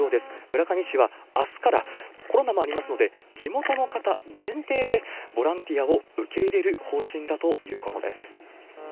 村上市はあすから、コロナもありますので、地元の方限定で、ボランティアを受け入れる方針だということです。